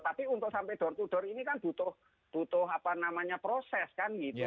tapi untuk sampai door to door ini kan butuh proses kan gitu